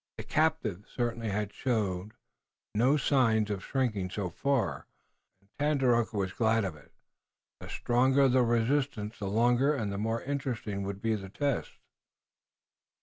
The captive certainly had shown no signs of shrinking so far, and Tandakora was glad of it. The stronger the resistance the longer and the more interesting would be the test.